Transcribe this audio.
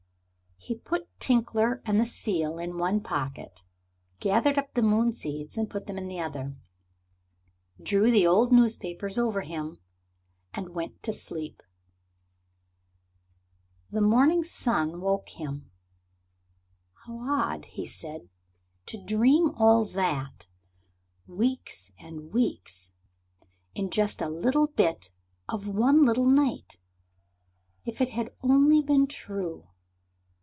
He put Tinkler and the seal in one pocket, gathered up the moon seeds and put them in the other, drew the old newspapers over him and went to sleep. The morning sun woke him. "How odd," said he, "to dream all that weeks and weeks, in just a little bit of one little night! If it had only been true!"